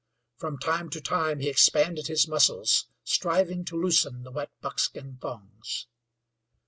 From time to time he expanded his muscles, striving to loosen the wet buckskin thongs.